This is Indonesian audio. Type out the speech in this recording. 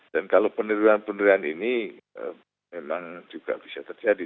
dan kalau peniruan peniruan ini memang juga bisa terjadi